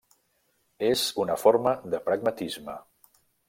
És una forma de pragmatisme.